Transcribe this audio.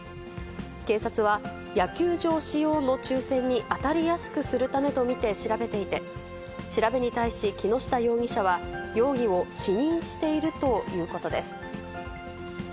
警察は野球場使用の抽せんに当たりやすくするためと見て調べていて、調べに対し木下容疑者は、容疑を否認しているということです。